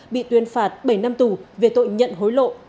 bị tuyên phạt bảy năm tù về tội nhận hối lộ